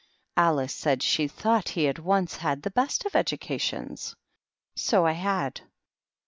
Alice said she thought that he had once had the best of educations. " So I had